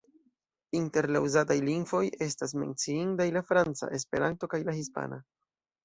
Inter la uzataj lingvoj estas menciindaj la franca, Esperanto kaj la hispana.